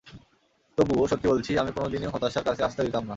তবুও, সত্যি বলছি, আমি কোনো দিনই হতাশাকে কাছে আসতে দিতাম না।